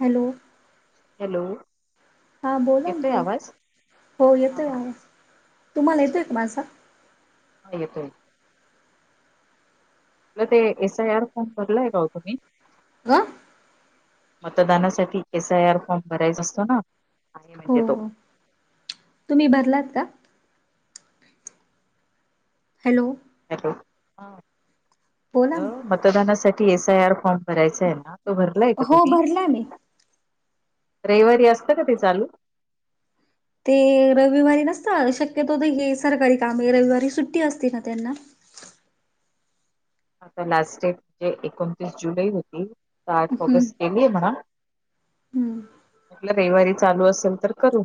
Hello hello हा... बोला ना येतोय ताई, आवाज हो हा येतोय आवाज... तुम्हाला येतोय का माझा? येतोय ते एस आय आर फॉर्म भरलाय का हो तुम्ही? हं? मतदानासाठी... एस आय आर फॉर्म भरायचा असतो ना... आहे हो म्हणजे तो हो तुम्ही भरलात का? हॅलो हॅलो... बोला ना. म्हटलं मतदानासाठी एस आय आर फॉर्म भराचाय ना हा तो भरलाय का हो तुम्ही? भरला मी. रविवारी असतं का ते चालू? ते रविवारी नसता... शक्यतो, तर हे, सरकारी कामं रविवारी सुट्टी असते ना त्यांना आता लास्ट डेट... म्हजे एकोणतीस जुलै होती तर आठ हम्म. ऑगस्ट केलाय म्हणा... हम्म म्हटलं रविवारी चालू असेल तर करू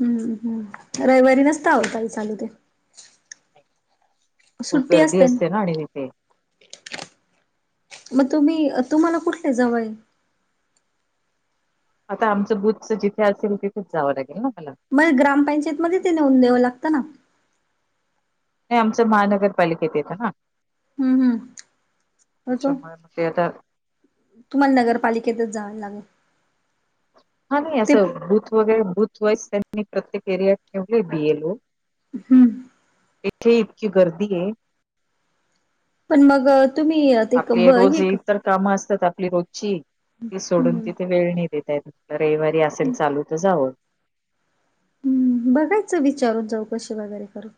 हम्म.. हम्म.. रविवारी नसतं अवो ताई चालू ते खूप गर्दी असते ना आणि तिथे मग तुम्ही.. तुम्हाला कुठले जवळ ए? आता आमचं बुथचं, जिथे असेल तिथेच जावं लागेल ना मला मग ग्रामपंचायत मध्ये ते नेऊन द्यावं लागतं ना? नाही... आमचं महानगरपालिकेत येतं ना हम्म हम्म तो त्याच्यामुळे मग ते आता तुम्हाला नगरपालिकेतच जायला लागल हा, नाही... असं बूथ वगैरे, बूथ वाईज त्यांनी प्रत्येक एरिया ठेवलेय बी एल ओ हुं येथे इतकी गर्दी ए पण मग तुम्ही? ते आपली ब रोज... हे इतर कामं असतात... आपली रोजची, ती सोडून, हम्म तिथे वेळ नाई देता येत रविवारी असेल चालू त जावं. हम्म बघायचं विचारून जाऊ कसे वगैरे करून.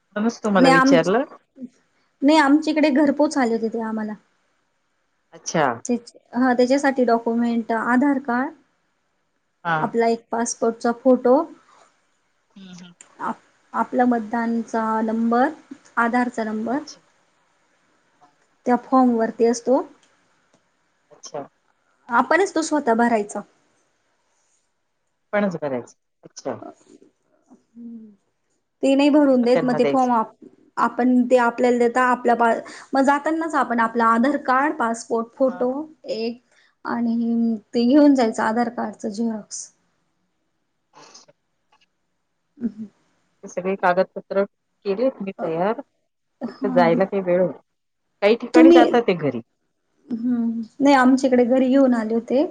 म्हणूनच तुम्हाला नाही आम विचारलं नाही आमच्या इकडे घरपोच आले होते ते आम्हाला अच्छा. ह त्याच्यासाठी डॉक्युमेंट आधार कार्ड हा आपला एक पासपोर्टचा फोटो हम्म, हम्म. आप आप आपला मतदानचा नंबर आधारचा नंबर अच्छा त्या फॉर्मवरती असतो अच्छा. आपणच तो स्वतः भरायचा. कोणाच भरायच अच्छा. हम्म ते नाही आणि भरून मग देत म त्यांना ते द्यायचं फॉर्म आप आपण ते आपल्याला देत आपल्या मग जातानाच आपण आपलं आधार कार्ड पासपोर्ट हा फोटो एक आणि ते घेऊन जायचं आधार कार्डच झेरॉक्स. [inaudible] [unintelligible] ते सगळी कागदपत्र केले तुम्ही तयार तिथ हा जायला काही वेळ काही ठिकाणी तुम्ही जाता ते घरी. हम्म नाही आमच्याकडे घरी घेऊन आले होते.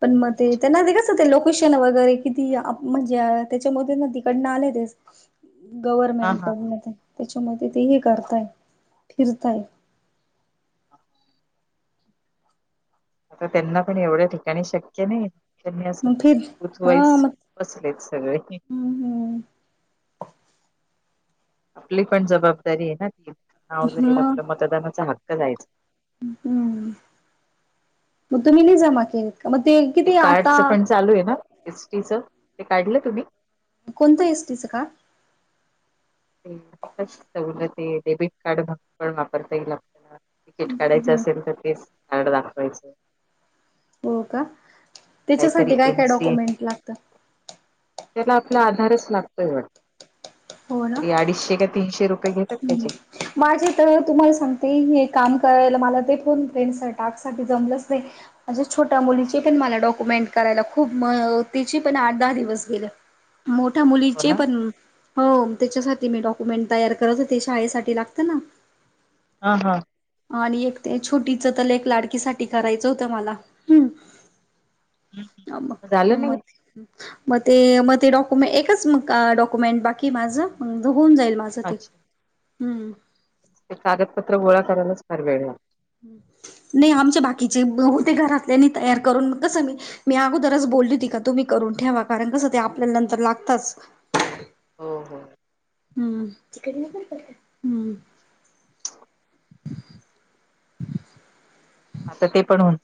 पण मग ते त्यांना ते कसं ते लोकेशन वगैरे किती म्हणजे त्याच्यामध्ये तिकडनं आले ते हा गव्हर्मेंट हा कडन ते त्याच्यामध्ये ते हे करताय फिरताय. आता त्यांना पण एवढ्या ठिकाणी शक्य नाही त्यांनी अस मग फिर [unintelligible] हा वाईस मग असलेत सगळे. हम्म हम्म आपली पण जबाबदारी आहे ना ती नाव जाईल मग आपलं मतदानाचा हक्क जायचा. हम्म मग तुम्ही नाही जमा केत का मग ते किती आता कार्डच पण चालू आहे ना एस टी च ते काढलं तुम्ही? कोणतं एस टी चं का. तेच सवलत आहे डेबिट कार्ड म्हणून पण वापरता येईल आपल्याला. टीकिट काढायचं हम्म असेल तर तेच कार्ड दाखवायचं. हो का काहीतरी त्याच्यासाठी काय काय एमसी डॉक्युमेंट लागता. त्याला आपला आधारच लागतोय वाट हो ना तरी अडीचशे का ती तीशे रुपये घेत [unintelligible] माझे तर तुम्हाला सांगते काम करायला मला ते फोन पेन चा [unintelligible] टाक साठी जमलंच नाही. माझ्या छोट्या मुलीचे पण मला डॉक्युमेंट करायला खूप म तची पण आठ दहा दिवस गेले. [inaudible] मोठ्या हो मुलीचे ना पण हो त्याच्यासाठी मी डॉक्युमेंट तयार खत ते शा आईसाठी लागतं ना. हा हा. आणि एक ते छोटीच त लेक लाडकीसाठी करायचं होतं मला हम्म. आम झालं म नाही मग ते मग ते डॉक्युमें एकच म डॉक्युमेंट बाकी माझं होऊन जाईल माझं ते अच्छा हम्म. ते कागदपत्र गोळा करायलाच फार वेळ लागतो. नाही आमच्या बाकीचे होते घरातल्याने तयार करून कस मी मी अगोदरच बोलली होती का तुम्ही करून ठेवा कारण कसं ते आपल्याला नंतर लागताच. हो हो. हम्म [unintelligible] हम्म. आता ते पण हुन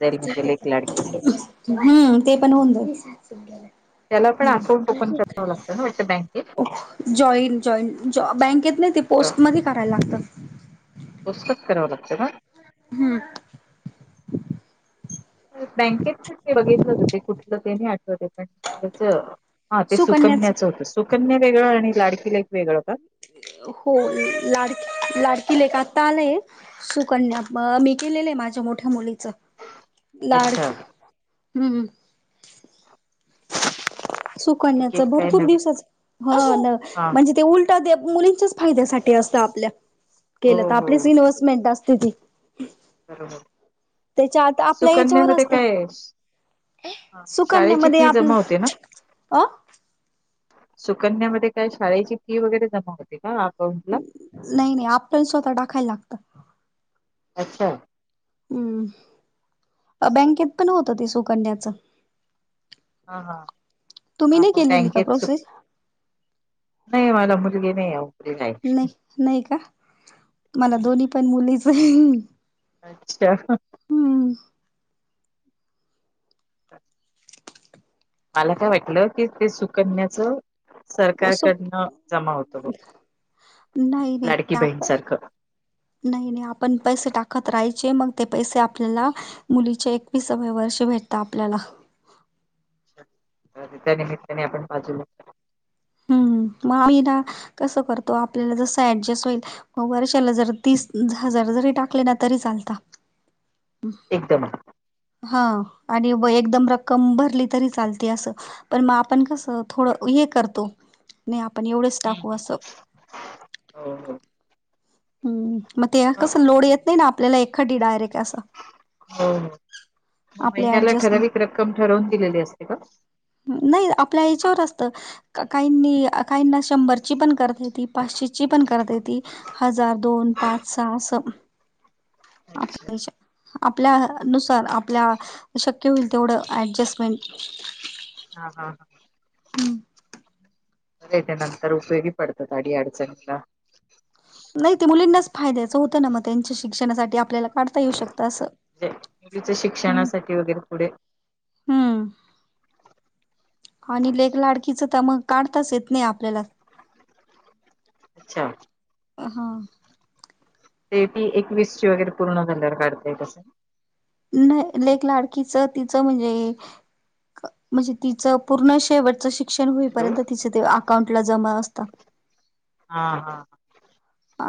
हम्म ते पण होऊन जाईल. त्याला पण हा अकाउंट कळत ओपन नाही ते करावं काय लागतं ना वाटतं बँकेत? आहे. जॉईन जॉईन बँकेत नाही ते पोस्टमध्ये करायला लागत. पोस्टात कराव लागत का. हम्म, बँकेत बघितलंच होते. कुठलं ते नाही आठवते पण हेच हा ते सुकन्याच सुकन्याचं होतं. सुकन्या वेगळं आणि लाडकी लेक वेगळं का. हो लाड लाडकी लेख आता आलेय. सुकन्य. मी केलेलं आहे. माझ्या मोठ्या मुलीचं. लाड अच्छा हम्म, ह [inaudible] सुकण्याच भरपूर दिवसाच हा हा. म्हणजे ते उल मुलींच्याच फायद्यासाठी असत आपल्या, हो केलं तर हो आपलीच इन्व्हेस्टमेंट असते ती. बरोबर, त्याच्या आता आपल्या याच्यावर सुकन्यामध्ये असत काय शाळेची फी जमा होते ना. आ सुकन्यामध्ये काय शाळेची फी वगैरे जमा होती. का अकाउंट ला, नाही नाही आपण स्वतः टाकायला लागत. अच्छा हम्म, बँकेत पण होत ते सुकण्याच. हा हा हा अकाउंट का बँकेचं प्रोसेस नाही मला मुलगी नाही अहो. नाही नाही का मला दोन्ही पण मुलीच आहे. अच्छा हम् [inaudible] मला काय वाटलं की ते सुकन्याचं असं सरकारकडनं जमा होत ग. नाही नाही लाडकी आप बहिणसारखं नाही नाही आपण पैसे टाकत राहायचे. मग ते पैसे आपल्याला, मुलीचे एकवीसाव्या वर्षी भेटत आपल्याला, त्या निमित्ताने आपण बाजूला हम् मग आईला कसं करतो. आपल्याला जस ऍडजस्ट होईल. मग वर्षाला जर तीस हजार जरी टाकले ना तरी चालता. एकदम हा आणि एकदम रक्कम भरली तरी चालते असं. पण मग आपण कसं थोडं हे करतो. नाही आपण एवढेच हम्म टाकू असं. हम्म. हम्म, मग ते हो हो कसं लोड येत नाही ना. आपल्याला एखादी डायरेक्ट असं. हो हो, मग आपल्या महिन्याला ऍडजस्ट ठराविक रक्कम ठरवून दिलेली असते का. नाही आपल्या हेच्यावर असता. काहींनी, काहींना शंभरची पण करता येती. पाचशेची पण करता येती. हजार दोन पाच सहा अस. अच्छा. आपल्याच्या आपल्या नुसार आपल्याला शक्य होईल तेवढ ऍडजस्टमेंट. हा हा हा हम्म. ते नंतर उपयोगी पडतात अडीअडचणीला. नाही ते मुलींनाच फायद्याचं होतं ना. मग त्यांच्या शिक्षणासाठी आपल्याला काढता येऊ शकतं असं. ते मुलीच्या हम्म शिक्षणासाठी वगैरे पुढे हम्म आणि लेक लाडकीचं तर मग काढताच येत नाही आपल्याला. अच्छा, अ हा ते ती एकवीस ची वगैरे पूर्ण झाल्यावर काढता येत असेल. नाही. लेक लाडकीच तिचं म्हणजे, म्हणजे तिचं ते पूर्ण शेवटचं शिक्षण हॅलो. होईपर्यंत तिचं ते अकाउंटला जमा असतात हा हा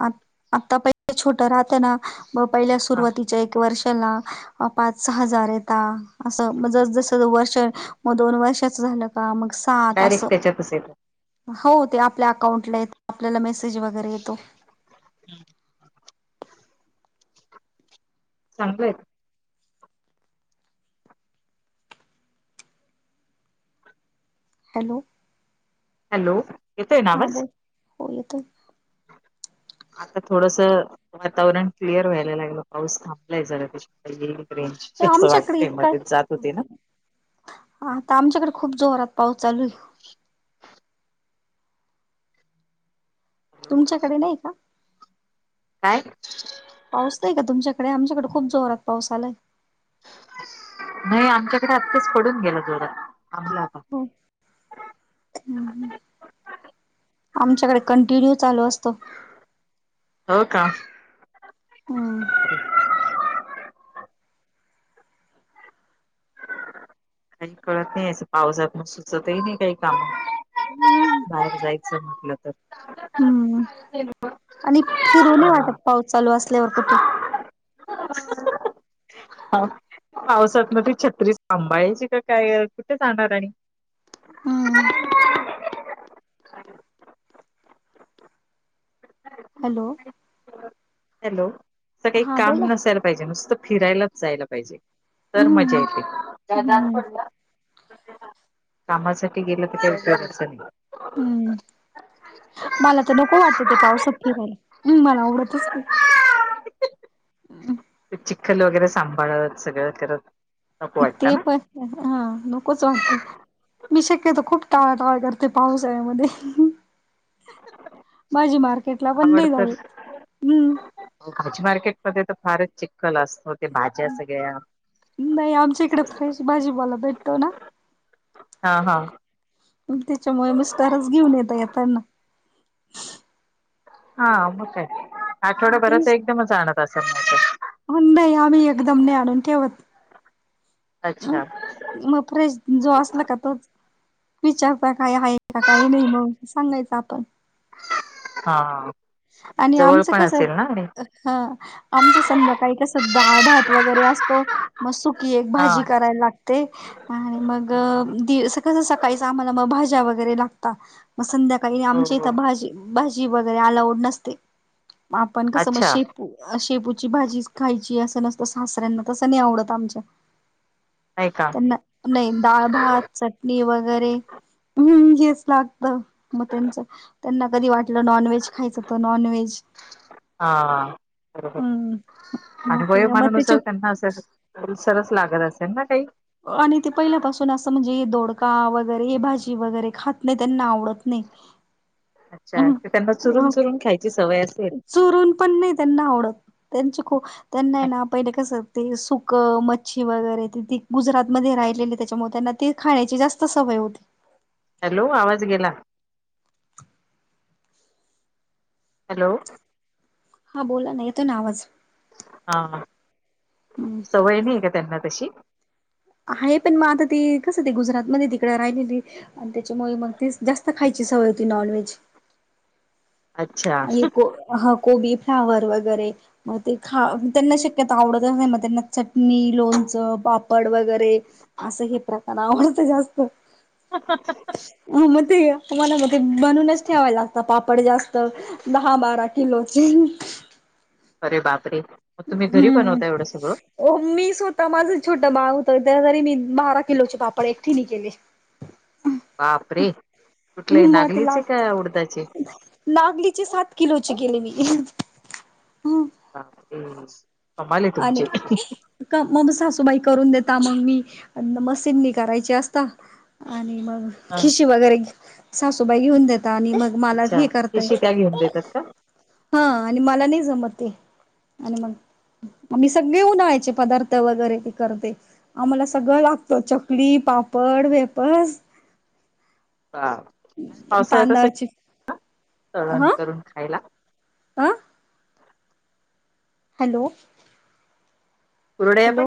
आ आता पहि छोटं राहतो ना पहिल्या हा सुरुवाती वर्षाला पाच सहा हजार येता असं मग जस जस वर्ष मग दोन वर्षाच झालं का मग सात डायरेक्ट असं त्याच्यातच येत हो ते आपल्या अकाउंटला येतं आपल्याला मेसेज वगैरे येतो चांगलंय हॅलो हॅलो येतोय ना आवाज होे येतोय आता थोडस वातावरण क्लिअर व्हायला लागलं पाऊस थांबलाय जरा त्याच्या रेंज चं आमच्याकडे वाटते इतका मध्येच जात होती ना आता आमच्याकडे खूप जोरात पाऊस चालू आहे तुमच्याकडे नाही का काय पाऊस नाही का तुमच्याकडे आमच्याकडे खूप जोरात पाऊस आलाय नाही आमच्याकडे आत्ताच पडून गेला जोरात आम्हाला [inaudible] आमच्याकडे कंटिन्यू चालू असतो हो का हां काही कळत नाही असं पावसात मग सुचतही नाही काही काम हम्म बाहेर जायचं म्हटलं हम्म तर आणि फिरु नये वाटत हा पाऊस चालू असल्यावर कुठे ह पावसात म ती छत्री सांभाळायची का काय कुठे जाणार आणि हम्म ह हॅलो हॅलो असं काही हा काम बोला नसायला पाहिजे नुसतं फिरायलाच जायला पाहिजे तर हम्म मजा येते हम्म पड कामासाठी गेलं तर ते उच हम्म मला तर नको वाटत ते पावसात फिरायला हम् मला आवडतच नाही चिखल वगैरे सांभाळत सगळं करत नको ते वाटत ना पण हा नकोच वाटतो मी शक्यतो खूप टाळा टाळ करत ते पावसाळ्यामध्ये भाजी मार्केट ला पण आवड नाही तर गावत भाजी मार्केटमध्ये तर फारच चिखल असतो ते भाज्या सगळ्या नाही आमच्या इकडे फ्रेश भाजीवाला भेटतो ना हा हा म त्याच्यामुळे मिस्टरच घेऊन येेतय येताना हा मग काय आठवड्याभराच तेच एकदमच आणत असाल म ते नाही आम्ही एकदम नाही आणून ठेवत अच्छा मग फ्रेश जो असला का तोच विचारता काय आहे का काही नाही म्हणून सांगायचं आपण हा आणि जवळ आमचं पण कसं असेल ना आणि हा आमचं संध्याकाळी डाळ भात वगैरे असतो मग सुकी एक हा भाजी करायला लागते आणि मग हा, दि तसं सकाळीच आम्हाला मग भाज्या वगैरे लागता मग संध्याकाळी हो आमच्या हो इथं भाजी भाजी वगैरे अलाउड नसते आपण कसं म अच्छा शेपू शेपूची भाजीचं खायची असं नसतं सासऱ्यांना तसं नाही आवडत आमच्या य का नाही दाळ भात चटणी वगैरे हम् घस लागत मग त्यांच त्यांना कधी वाटलं नॉनव्हेज खायच. नॉनव्हेज हा बरोबर हम्म मग अनुभय ते मग मानानुसार त्याच्या त्यांना असे सरस लागत असेल ना काही, आणि ते पहिल्यापासून असं म्हणजे दोडका वगैरे भाजी वगैरे खात नाही त्यांना आवडत नाही. अच्छा ते त्यांना चुरून अ चुरून खायची सवय असते. चुरून पण नाही त्यांना आवडत त्यांच खू त्यांना नाही. ना पहिले कसं ते सुकं मच्छी वगैरे ते त गुजरातमध्ये राहिलेले त्याच्यामुळे त्यांना ते खाण्याची जास्त सवय होती. हॅलो आवाज गेला. हॅलो हा बोला ना येत ना आवाज हा हम्म सवय नाही का त्यांना तशी आहे पण मग आता ते कसं ते गुजरात मध्ये तिकडं राहिलेली. आणि त्याच्यामुळे मग ते जास्त खायची सवय होती नॉन व्हेज अच्छा कोबी फ्लावर वगैरे मग ते खा त्यांना शक्यता आवडतच नाही मग त्यांना चटणी, लोणचं, पापड वगैरे असं हे प्रकार आवडत जास्त अच्ा [inaudible] ह मग ते मला म ते बनवूनच ठेवाव लागत पापड जास्त दहा बारा किलो अरे बापरे, मग तुम्ही घरी बनवता एवढं सगळं? हो मी स्वतः माझं एक छोटं बाळ होतं त्यावेळी मी बारा किलोचे पापड एकटीनी केले. बाप रे कुठले नागलीचे का उडदाचे नागलीचे सात किलोचे केले मी हं. [unintelligible] आणि तुमची [unintelligible] मग सासूबाई करून देता मग मी मशीननी करायची असता आणि मग हा, खिशी वगैरे सासूबाई घेऊन देता आणि मग मलाच अच्छा हे करतय, पिशी त्या घेऊन देतात का हा आणि मला नाही जमतते आणि मग आम्ही सगळे उन्हाळ्याचे पदार्थ वगैरे ते करते. आम्हाला सगळं लागतं चकली, पापड, वेफर्स [inaudible] हा पावसाळ्यात अस तांदळाची तळण करून खायला आं हॅलो, कुरुडया पण हॅलो